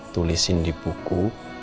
tulisin di buku